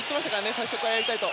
最初からやりたいと。